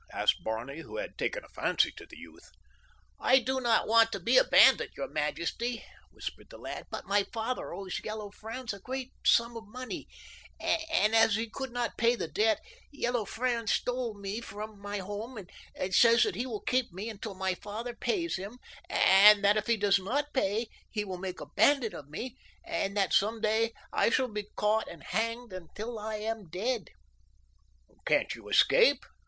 asked Barney, who had taken a fancy to the youth. "I do not want to be a bandit, your majesty," whispered the lad; "but my father owes Yellow Franz a great sum of money, and as he could not pay the debt Yellow Franz stole me from my home and says that he will keep me until my father pays him, and that if he does not pay he will make a bandit of me, and that then some day I shall be caught and hanged until I am dead." "Can't you escape?"